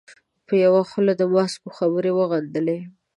په یوه خوله د ماسکو خبرې وغندلې.